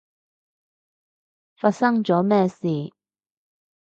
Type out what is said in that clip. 發生咗咩事？